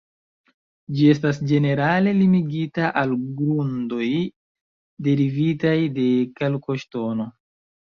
Ĝi estas ĝenerale limigita al grundoj derivitaj de kalkoŝtono.